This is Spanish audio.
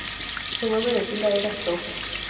Su nombre de pila era 周 Zhōu.